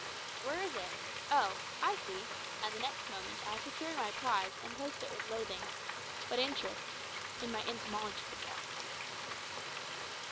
"Where is it? oh! I see," and the next moment I secured my prize and placed it with loathing, but interest, in my entomological box.